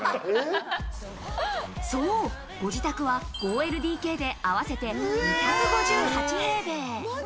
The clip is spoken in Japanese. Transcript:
そう、ご自宅は５ＬＤＫで合わせて２５８平米。